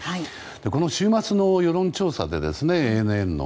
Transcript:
この週末の世論調査でＡＮＮの。